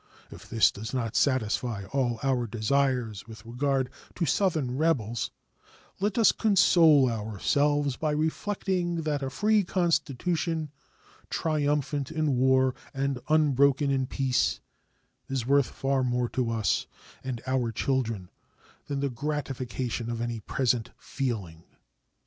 If this does not satisfy all our desires with regard to Southern rebels, let us console ourselves by reflecting that a free Constitution, triumphant in war and unbroken in peace, is worth far more to us and our children than the gratification of any present feeling.